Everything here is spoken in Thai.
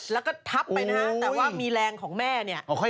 แล้วก็ทับไปนะฮะแต่ว่ามีแรงของแม่เนี่ย